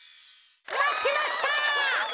まってました。